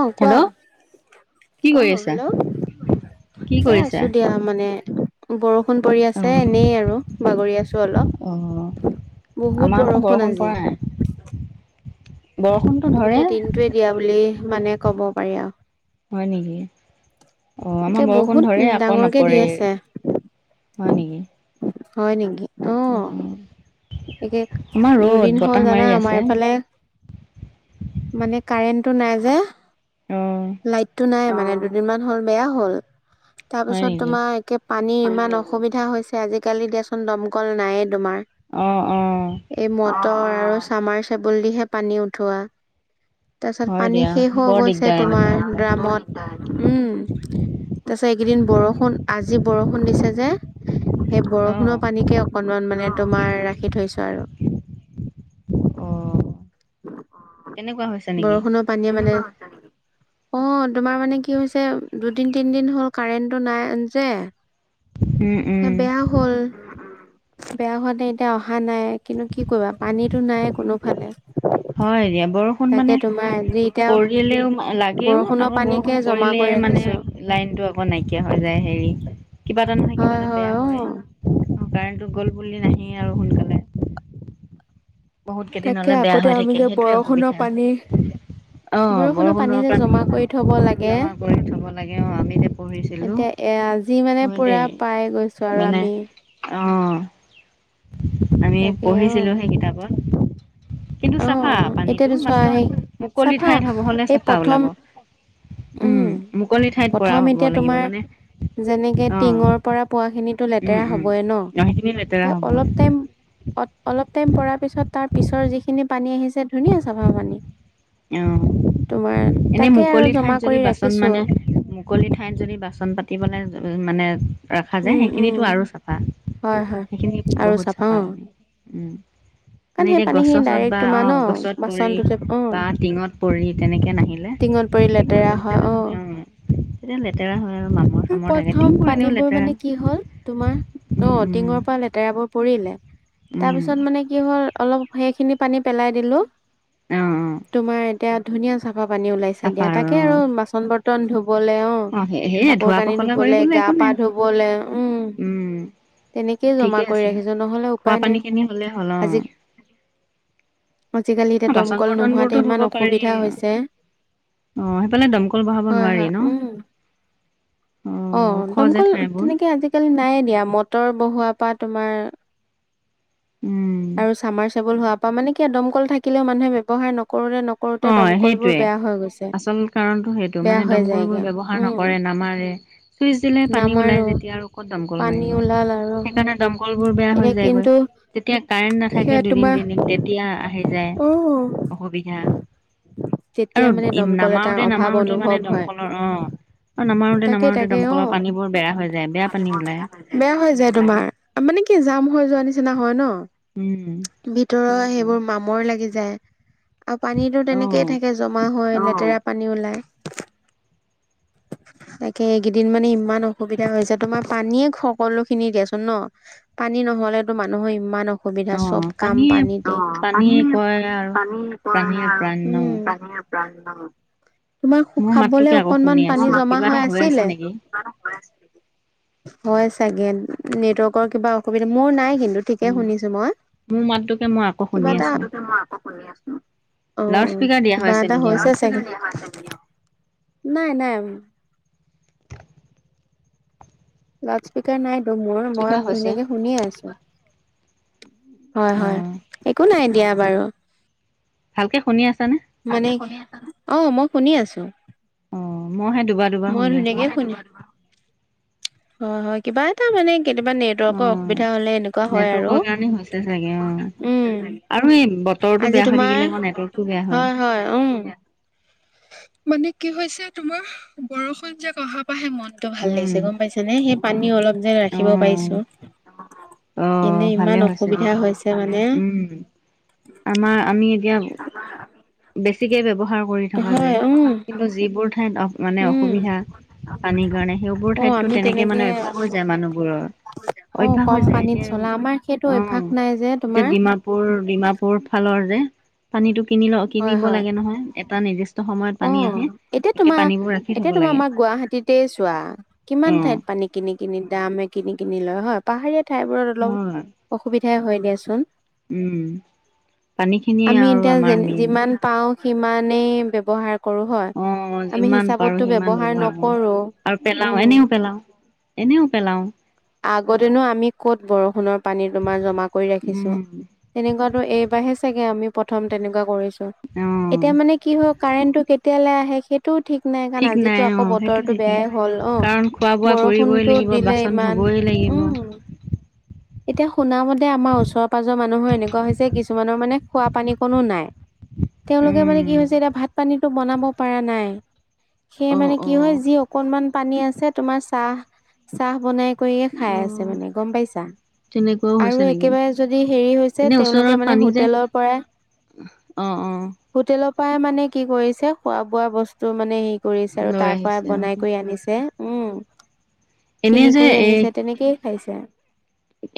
অঁ', কোৱা হেল্ল' কি কৰি অঁ', আছা হেল্ল' কি এই কৰিছা আছোঁ দিয়া মানে বৰষুণ পৰি আছে অ', এনেই আৰু বাগৰি আছো অলপ। অ', বহুত আমাৰ আকৌ বৰষুণ আজি। পৰা নাই বৰষুণ, ধৰে গোটেই দিনটোৱে দিয়া বুলি মানে ক'ব পাৰি আৰু, হয় নিকি। অ' একে আমাৰ বৰষুণ বহুত ধৰে আকৌ' ডাঙৰকে দি নপৰে। আছে হয় নিকি। হয় নিকি। উম একে দুদিন হ'ল জানা আমাৰ আছে এইফালে মানে কাৰেণ্টটো নাই যে অ', লাইটটো নাই মানে দু দুদিনমান হ'ল বেয়া হ'ল হয় তাৰপিছত নেকি তোমাৰ একে পানীৰ ইমান অসুবিধা হৈছে আজিকালি দিয়াচোন দমকল নাইয়ে তোমাৰ। অ', অ। এই মটৰ আৰু চামাৰ চাবুল দিহে পানী উঠোৱা। তাৰছত হয় পানী দিয়া শেষ হৈ বৰ গৈছে দিগদাৰ এনেকুৱা তোমাৰ। হ'লে ৰামত উম, তাৰছত এইকেইদিন বৰষুণ আজি বৰষুণ দিছে যে সেই অ', বৰষুণৰ পানীকে অকনমান মানে তোমাৰ ৰাখি থৈছো আৰু। অ', তেনেকুৱা হৈছে নিকি? বৰষুণৰ পানীয়ে মানে [inaudible] অ', তোমাৰ মানে কি হৈছে দুদিন তিনদিন হ'ল কাৰেণ্টটো নাই যে উম, হে উম, বেয়া হ'ল। বেয়া হোৱাতে এতিয়া অহা নাই কিন্তু কি কৰিবা পানীটো নাই কোনোফালে। হয় দিয়া বৰষূ ষুণ তাকে মানে তোমাৰ আজি এতিয়া পৰিলেও লাগেও বৰষুণৰ আকৌ পানীকে বৰষুণ জমা পৰিলে কৰি মানে ৰাখিছো লাইনটো আকৌ নাইকিয়া হৈ যায় হেৰি কিবা এটা নহয় কিবা হয় এটা বেয়া অ হয়। কাৰেণ্ট টো গ'ল বুলি নাহে আৰু সোনকালে। বহুত কেইদিন তাকে হলে বেয়া আগতে হৈ আমি থাকে যে সেইটোৱে বৰষুণৰ অসুবিধা পানী বৰষুণৰ পানী যে জমা কৰি থব লাগে জমা কৰি থব লাগে অ আমি যে পঢ়িছিলো এতে এ আজি মানে হয় পূৰা দেই পাই গৈছোঁ আৰু মানে আমি। অ', আমি তাকে অ পঢ়িছিলো হে কিতাপত। কিন্তু অ চাফা পানীটো এতিয়াতো চোৱা মাত্ৰ সেই মুকলি চাফা ঠাইত হব হলে এই চাফা প্ৰথম ওলাব। উম, মুকলি ঠাইত পৰা প্ৰথম হ'ব এতিয়া লাগিব তোমাৰ মানে যেনেকে অ টিঙৰ পৰা পৰা খিনিতো উম লেতেৰা উম হবই ন' অ সেইখিনি লেতেৰা সে হবই অলপ টাইম অ অলপ টাইম পৰাৰ পিছত তাৰ পিছৰ যিখিনি পানী আহিছে ধুনীয়া চাফা পানী। অ তোমাৰ এনেই তাকে আৰু মুকলি ঠাইত জমা যদি কৰি বাচন ৰাখিছো মানে মুকলি ঠাইত যদি বাচন পাতিবলে মানে ৰখা যায় উম উম সেইখিনিতো আৰু চাফা, হয় হয় সেইখিনি আৰু বহুত চাফা অ মানে উম, কাৰণ মানে সেই এতিয়া পানীখিনি গছত ডাইৰেক্ট বা তোমাৰ ন অ', গছত পৰি বাচনটোতে অ বা টিঙত পৰি তেনেকে নাহিলে [unintelligible] টিঙত পৰি লেতেৰা হয় অ তেতিয়া লেতেৰা হয় আৰু মা প্ৰথম পানীবোৰ মানে কি হ'ল তোমাৰ অ উম টিঙৰ পৰা লেতেৰাবোৰ পৰিলে, উম উম তাৰপিছত মানে কি হ'ল অলপ সেইখিনি পানী পেলাই দিলোঁ অ অ তোমাৰ এতিয়া ধুনীয়া চাফা খোৱা পানী ওলাইছে চাফা দিয়া অ তাকে আৰু বাচন বৰ্তন ধুবলে অ। সেয়ে কাপোৰ ধোৱা কানি পখলা ধুবলে কৰিবলৈ গা একো পা নাই ধুবলে উম! উম তেনেকেই জমা ঠিকে কৰি আছে ৰাখিছো নহ'লে খোৱা উপায় পানী নাই খিনি হ'লে হ'ল আজি আজিকালি এতিয়া বাচন দমকল বৰ্তন নোহোৱাতে বোৰতো ইমান ধুব পাৰি অসুবিধা অ হৈছে অ' সেইফালে দমকল বহাব হয় হয় নোৱাৰি ন? উম অ' ওখ যে দমকল ঠাইবোৰ তেনেকে আজিকালি নাই দিয়া মটৰ বহুৱা পৰা তোমাৰ উম! আৰু চামাৰ চেবল হোৱাৰ পৰা মানে কিয় দমকল থাকিলেও মানুে ব্যৱহাৰ নকৰো অ' সেইটোৱে আচল কাৰণটো সেইটো বেয়া মানে হৈ দমকল বোৰ যায়গে ব্যৱহাৰ উম নকৰে নামাৰে। চুইচ দিলে পানী ওলাই নামাৰো যেতিয়া আৰু ক'ত দমকল পানী মাৰিব, ওলাল আৰু সেইকাৰণে দমকল বোৰ বেয়া এতিয়া হৈ যায়গৈ। কিন্তু যেতিয়া কাৰেণ্ট নাথাকে সেয়া দুদিন তোমাৰ তিনিদিন তেতিয়া আহি যায় অ অসুবিধা। যেতিয়া আৰু মানে ই দমকল এটাৰ নামাৰোতে অভাৱ নামাৰোতে মানে অনুভৱ হয় দমকল অ' অ' অ' নামাৰোতে তাকে নামাৰোতে তাকে অ দমকলৰ পানী বোৰ বেয়া হৈ যায় বেয়া পানী ওলাই। বেয়া হৈ যায় তোমাৰ, মানে কি জাম হৈ যোৱা নিচিনা হয় ন। উম! ভিতৰৰ সেইবোৰ মামৰ লাগি যায় আৰু পানীতো অ তেনেকে থাকে জমা হয় লেতেৰা পানী ওলাই। তাকে এইকেইদিন মানে ইমান অসুবিধা হৈছে তোমাৰ পানীয়ে সকলো খিনি দিয়াচোন ন। পানী নহ'লেতো মানুহৰ ইমান অ অসুবিধা চব কাম পানী পানী পানীয়ে নাই কয় আৰু পানীয়ে প্ৰাণ ন আৰু। তোমাৰ মোৰ খাবলে মাতটোকে আকৌ অকনমান শুনি পানী আছো জমা কিবা হৈ এটা আছে আছিলে নেকি হয় চাগে নেটৱৰ্কৰ কিবা অসুবিধা মোৰ নাই কিন্তু। ঠিকে উম শুনিছো মই, মোৰ মাতটোকে মই আকৌ শুনি কিবা এটা আছো মই আকৌ শুনি আছো লাউড অ' স্পীকাৰ দিয়া হৈ কিবা আছে এটা নেকি আকৌ হৈছে চাগে, নাই নাই। লাউড স্পীকাৰ নাইতো মোৰ কিবা মই হৈছে ধুনীয়াকে শুনিয়ে আছোঁ। হয় অ হয় একো নাই দিয়া বাৰু। ভালকে শুনি আছানে। মানে অ' মই শুনি আছোঁ। অ' মইহে দুবাৰ দুবাৰ শুনি আছোঁ। [inaudible] হয় হয় কিবা এটা মানে কেতিয়াবা নেট অ নেটৱৰ্কৰ অসুবিধা হলে এনেকুৱা হয় আৰু, নেটৱৰ্কৰ কাৰণে হৈছে চাগে অ আৰু এই উম! বতৰটো আজি বেয়া হৈ তোমাৰ থাকিলে আকৌ নেটৱৰ্কটো বেয়া হয় হয় উম! মানে কি হৈছে তোমাৰ বৰষুণ জাক অহা পাহে মনটো ভাল উম, লাগিছে গম পাইছা নে সেই পানী অলপ যেন ৰাখিব অ', পাৰিছোঁ। অ', এনেই ভালে ইমান হৈছে দিয়া। অসুবিধা হৈছে মানে। [unintelligible] উম, আমাৰ আমি এতিয়া বেছিকে ব্যৱহাৰ কৰি থকা হয় যায়। [unintelligible] উম কিন্তু যিবোৰ ঠাইত অ' মানে উম অসুবিধা [unintelligible] পানীৰ কাৰণে সেইবোৰ অ ঠাইতো আমি তেনেকে মানে অভ্যাস হৈ যায় মানুহবোৰৰ। [unintelligible] অ অভ্যাস হৈ কম যায় পানীত এতিয়া [inaudible] চলা আমাৰ সেইটো অভ্যাস অঁ! নাই যে এতিয়া তোমাৰ ডিমাপুৰ-ডিমাপুৰ ফালৰ যে [inaudible] পানীটো কিনিব ল হয় কিনিব হয় লাগে নহয় এটা নিৰ্দিষ্ট সময়ত অ পানী আহে। এতিয়া [inaudible] তোমাৰ পানীবোৰ ৰাখ এতিয়া তোমাৰ আমাৰ গুৱাহাটীতে চোৱা কিমান অ', ঠাইত পানী [inaudible] কিনি-কিনি ড্ৰামে কিনি-কিনি লয় হয়। পাহাৰীয়া ঠাইবোৰত হয় অলপ অসুবিধাই হয় দিয়া চোন। [unintelligible] উম! পানীখিনি আমি আৰু এতিয়া যে আমাৰ মেইন। [unintelligible] [unintelligible] পাওঁ সিমানেই ব্যৱহাৰ কৰো হয়। অ', আমি যিমান পাৰো হিচাপতো সিমান ব্যৱহাৰ কৰো নকৰো আৰু পেলাও উম। এনেও [unintelligible] পেলাও। এনেও পেলাওঁ। [inaudible] আগতেনো আমি ক'ত বৰষুণৰ পানী তোমাৰ জমা কৰি ৰাখিছোঁ। উম, [inaudible] তেনেকুৱাতো এইবাৰহে চাগে আমি প্ৰথম তেনেকুৱা কৰিছো। অ', এতিয়া মানে কি হয় কাৰেণ্টটো কে [inaudible] তেতিয়ালে আহে সেই [unintelligible] টো ঠিক নাই কাৰণ ঠিক আজিতো নাই আকৌ অ', সেইটো বতৰতো ঠিক নাই। বেয়াই হ'ল। অঁ কাৰণ খোৱা বোৱা কৰিবই বৰষুণতো [unintelligible] লাগিব দিলে বাচন ইমান। ধুবই লাগিব উম! [unintelligible] এতিয়া শুনা মতে আমাৰ ওচৰ-পাজৰ মানুহৰ এনেকুৱা হৈছে যে কিছুমানৰ মানে খোৱা পানী কনো নাই। [unintelligible] তেওঁলোকে মানে উম। কি হৈছে এতিয়া ভাত, পানীটো বনাব পৰা নাই। [inaudible] সেয়ে অ', মানে কি হয় অ'। যি অকনমান পানী আছে, তোমাৰ চাহ-চাহ বনাই [unintelligible] কৰিয়ে খাই আছে অ', মানে গম পাইছা। [unintelligible] তেনেকুৱাও আৰু হৈছে নেকি? একেবাৰে যদি হেৰি হৈছে এনেই তেওঁলোকে ওচৰত মানে পানী যে হোটেলৰ পৰাই [unintelligible] অঁ-অঁ! [unintelligible] হোটেলৰ পৰাই মানে কি কৰিছে খোৱা-বোৱা বস্তু মানে এই [unintelligible] কৰিছে আৰু লৈ তাৰ পৰা আহিছে বনাই অ'। কৰি আনিছে। [unintelligible] এনেই কিনি যে কৰি এ আনিছে, তেনেকেই খাইছে। [unintelligible]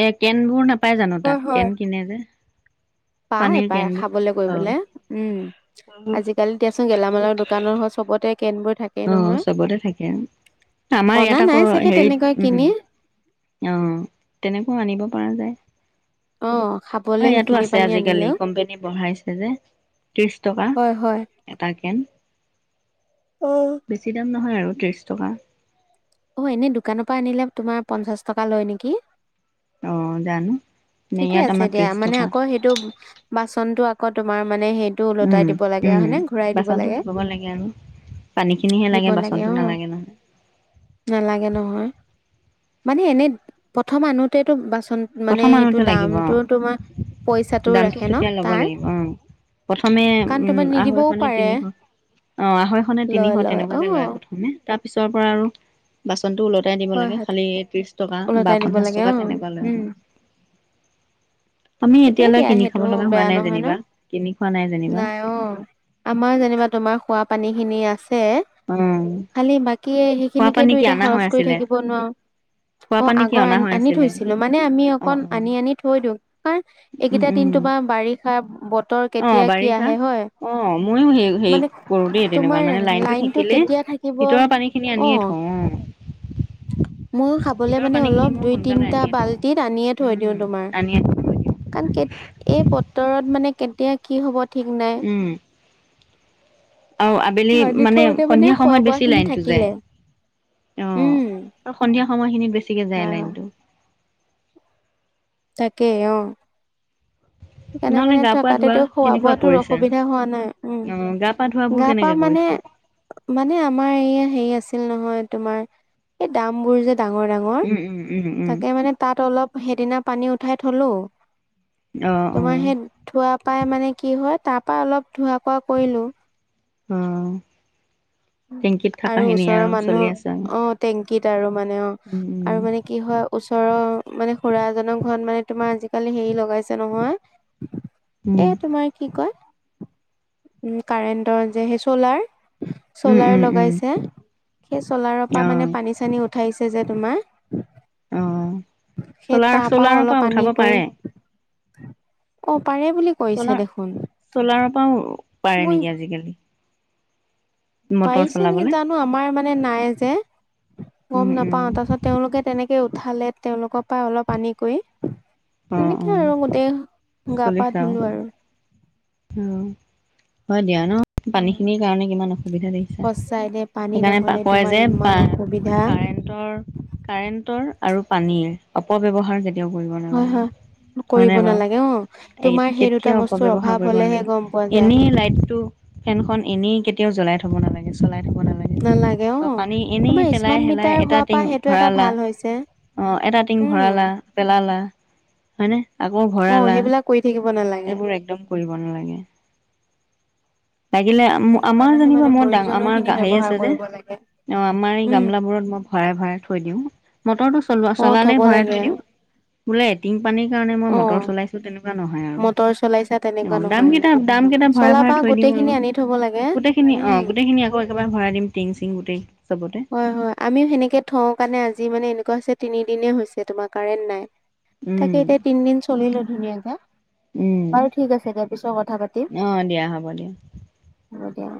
এ কেনবোৰ নাপাই জানো তাত? কেন কিনে যে। [unintelligible] পানীৰ পায়-পায় কেনবোৰ। খাবলৈ কৰিবলৈ। অ'। [inaudible] উম! আজিকালি দিয়া চোন গেলামালৰ দোকানৰ চবতে কেনবোৰ থাক [inaudible] অঁ! চবতে থাকে। আমাৰ অনা ইয়াত নাই আকৌ চাগে হেৰিত তেনেকৈ উম কিনি [unintelligible] অঁ! তেনেকো আনিব পৰা যায়। [unintelligible] অ খাবলে আমাৰ ইয়াতো সেইখিনি আছে পানী আজিকালি আনিলেও কোম্পানী বঢ়াইছে যে। [inaudible] ত্ৰিছ টকা হয় হয় এটা কেন। [unintelligible] অঁ! [unintelligible] বেছি দাম নহয় আৰু ত্ৰিছ টকা। [inaudible] অঁ এনেই দোকানৰ পৰা আনিলে তোমাৰ পঞ্চাছ টকা লয় নেকি? [inaudible] অ! জানো? [unintelligible] ঠিকে ইয়াত আছে আমাৰ দিয়া ত্ৰিছ মানে টকা আকৌ সেইটো বাচনটো আকৌ তোমাৰ মানে সেই [inaudible] উম-উম! বাচনটো দিব গৈ লাগে আৰু। [inaudible] পানীখিনিহে দিব লাগে বাচনতো অ নালাগে নহয়। [inaudible] নালাগে নহয়। মানে এনেই প্ৰথম আনোতেতো বাচন মানে [unintelligible] [inaudible] লাগিব। তোমাৰ পইচাটো দামটো ৰাখে ন তেতিয়া ল'ব তাৰ লাগিব অঁ। প্ৰথমে কাৰণ উম তোমাৰ আঢ়ৈশ নিদিবও নে পাৰে তিনিশ অ আঢ়ৈশ নে তিনিশ লয় অ তেনেকুৱাকে লয়। [unintelligible] প্ৰথমে তাৰপিছৰ পৰা আৰু [inaudible] বাচনটো ওলটাই দিব হয় লাগে হয় খালি ত্ৰিছ টকা বা ওলটাই দিব পঞ্চাছ লাগে টকা অ তেনেকুৱা লয় আৰু। উম [unintelligible] আমি ঠিকেই এতিয়ালৈ দিয়া কিনি খাব সেইটো লগা হোৱা বেয়া নাই নহয় ন যেনিবা, কিনি খোৱা নাই যেনিবা। আমাৰ যেনিবা তোমাৰ খোৱা পানী খিনি আছে। অ খালি বাকী খোৱা পানী কি সেইখিনিকেতো এতিয়া অনা হৈ খৰচ কৰি আছিলে থাকিব নোৱাৰো। খোৱা অঁ' পানী কি আগৰ আ অনা হৈ -আনি আছিলে থৈছিলো মানে আমি অ অ অকণ আনি আনি থৈ দিওঁ কাৰণ উম এইকেইটা উম দিন তোমাৰ বাৰিষা বতৰ কেতিয়া কি আহে হয়। অঁ' মইয়ো সে হেৰি মানে কৰো দেই তোমাৰ তেনেকুৱা মানে লাইনটো থাকিলে কেতিয়া থাকিব ভিতৰৰ পানী খিনি আনিয়ে থওঁ অঁ'। মইয়ো খাবলৈ মানে পানী খিনি অলপ মই দুই সোনকালে তিনিটা আনিয়ে থওঁ বাল্টিত আনিয়ে থৈ উম দিওঁ তোমাৰ। আনিয়ে থওঁ কাৰণ এই বতৰত মানে কেতিয়া কি হ'ব ঠিক নাই। উম আৰু আবেলি ৰান্ধি মানে থওঁতে সন্ধিয়া খোৱা সময়ত বোৱা বেছি খিনি লাইনটো যায়। থাকিলে অঁ উম। আৰু সন্ধিয়া সময়খিনিত বেছিকে যায় হয় হয়। লাইনটো। তাকেই অঁ'। সেইকাৰণে নহলে মানে গা পা থকাতে ধোৱা তেওঁ খোৱা কেনেকুৱা বোৱাতো কৰিছা অসুবিধা হোৱা নাই, অ গা পা উমঁ' ধোৱাবোৰ গা-পা কেনেকে মানে কৰিছা মানে আমাৰ এইয়া হেৰি আছিল নহয় তোমাৰ এই দাম বোৰ যে ডাঙৰ ডাঙৰ উম উম উম উম তাকে মানে তাত অলপ সেইদিনা পানী উঠাই থলোঁ। অ অ তোমাৰ সেই থোৱাৰ পৰাই মানে কি হয় তাৰ পৰা অলপ ধোৱা কোৱা কৰিলো। অঁ' টেংকিত আৰু থকাখিনি ওচৰৰ আৰু মানুহ চলি আছা আৰু। অ', টেংকিত আৰু মানে অঁ উম আৰু মানে কি হয় ওচৰৰ মানে খুৰা এজনৰ ঘৰত মানে তোমাৰ আজিকালি হেৰি লগাইছে নহয়। এ উম তোমাৰ কি কয়, উমঁ, কাৰেণ্টৰ যে সেই চলাৰ। উম চলাৰ উম উম লগাইছে, সেই চ'লাৰৰ পৰা অ মানে পানী চানী উঠাইছে যে তোমাৰ। অ সেই চলাৰ তপাও চলাৰৰ অলপ পৰা উঠাব পানীকৈ পাৰে অঁ পাৰে বুলি কৈছে চলাৰ, দেখোন। চলাৰ পৰাও পাৰে মই নেকি আজিকালি? মটৰ পাৰিছে নেকি চলাবলে জানো আমাৰ মানে নাই যে উম গম উম নাপাও। তাৰপাছত তেওঁলোকে তেনেকৈ উঠালে তেওঁলোকৰ পৰা অলপ আনি কৰি। অ অ তেনেকে আৰু গোটেই গা পা ধুলো আৰু। উমঁ' হয় দিয়া ন'। পানী উম, খিনিৰ কাৰণে কিমান অসুবিধা দেখিছা, সঁচাই দে পানী সেইকাৰণে নহ'লে কয় তোমাৰ যে বা ইমান অসুবিধা কাৰেণ্ট কাৰেণ্টৰ আৰু পানীৰ অপব্যৱহাৰ কেতিয়াও কৰিব নালাগে। [unintelligible] হয় কৰিব নাই বাৰু নালাগে অঁ' এই তোমাৰ সেই দুটা কেতিয়াও বস্তুৰ অপব্যৱহাৰ অভাৱ কৰিব হ'লে হে নালাগে গম পোৱা যায়। এনেই লাইটটো ফেনখন এনেই কেতিয়াও জ্বলাই থব নালাগে, চলাই থব নালাগে। বা অ', পানী এনেই তোমাৰ পেলাই স্মাৰ্ট হেলাই মিটাৰ এটা হোৱাৰ টিং পৰা সেইটো এটা ভৰালা। ভাল হৈছে। অঁ' এটা টিং উম, ভৰালা, পেলালা, হয়নে আকৌ অ', ভৰালা। সেইবিলাক কৰি থাকিব নালাগে। এইবোৰ একদম কৰিব নালাগে। লাগিলে তাকে আমাৰ মানুহে মানে জানিবা মোৰ ডাঙ প্ৰয়োজনীয় আমাৰ খিনি সেই ব্যৱহাৰ আছে যে। কৰিব লাগে। অঁ' আমাৰ এই উম, গামলাবোৰত মই ভৰাই ভৰাই থৈ দিওঁ, মটৰটো চলোৱা অ', থব চলালেই ভৰাই লাগে থৈ দিওঁ। বোলে এটিং পানীৰ কাৰণে মই অ', মটৰ চলাইছো তেনেকুৱা নহয় আৰু। মটৰ চলাইছা তেনেকুৱা অঁ' দাম নহয়। কেইটা দাম কেইটা ভৰাই ভৰাই চলাবা থৈ দিওঁ গোটেইখিনি আৰু আনি থব লাগে গোটেই খিনি অঁ' উম। গোটেই খিনি আকৌ একেবাৰে ভৰাই দিম টিং চিং গোটেই চবতে। হয় হয় আমিও সেনেকে থওঁ কাৰণে আজি মানে এনেকুৱা হৈছে তিনিদিনেই হৈছে তোমাৰ কাৰেণ্ট নাই উম তাকে এতিয়া তিনদিন চলিলো ধুনীয়াকে উম বাৰু ঠিক আছে দিয়া পিছত কথা পাতিম অ দিয়া হ'ব দিয়া হ'ব দিয়া